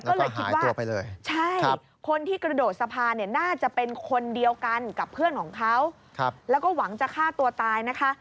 ก็เลยคิดว่าใช่คนที่กระโดดสะพานเนี่ยน่าจะเป็นคนเดียวกันกับเพื่อนของเขาแล้วก็หวังจะฆ่าตัวตายนะคะ